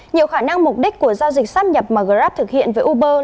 nhiều khả năng mục đích của giao dịch sắp nhập mà grab thực hiện với uber